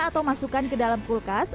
atau masukkan ke dalam kulkas